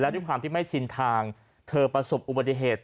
ด้วยความที่ไม่ชินทางเธอประสบอุบัติเหตุ